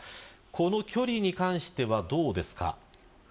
この距離に関してはどうですか。